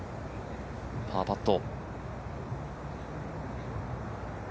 パーパット。